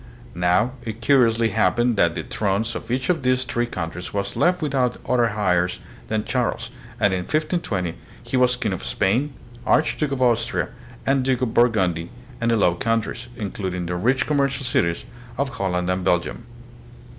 Now it curiously happened that the thrones of each of these three coun tries was left without other heirs than Charles, and in 1520 he was King of Spain, Archduke of Austria, and Duke of Burgundy and the Low Countries, including the rich commercial cities of Holland and Belgium.